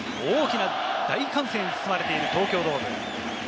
大歓声に包まれている東京ドーム。